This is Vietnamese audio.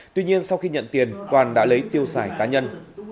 tuy nhiên sau khi nhận tiền toàn đã lấy tiêu xài cá nhân